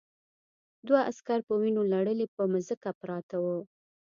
دوه عسکر په وینو لړلي پر ځمکه پراته وو